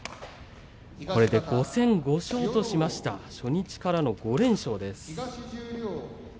これで５戦５勝としました初日からの５連勝です。